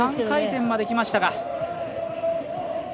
３回転まできましたか。